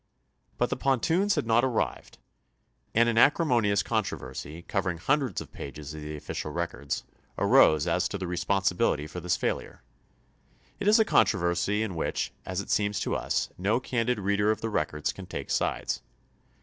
But the pontoons had not arrived, and an acrimonious con troversy, covering hundreds of pages of the official records, arose as to the responsibility for this failure. It is a controversy in which, as it seems to us, no candid reader of the records can take sides.